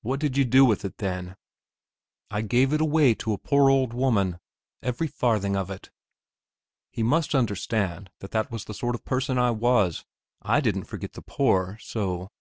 "What did you do with it, then?" "I gave it away to a poor old woman every farthing of it." He must understand that that was the sort of person I was; I didn't forget the poor so....